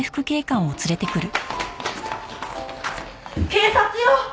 警察よ！